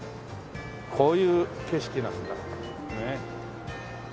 こういう景色なんだねえ。